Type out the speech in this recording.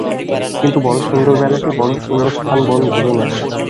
কিন্তু বড় সুন্দর বেলাটি-বড় সুন্দর স্থান বন-ভোজনের!